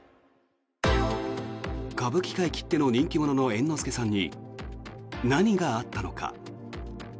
歌舞伎界きっての人気者の猿之助さんに何があったのか。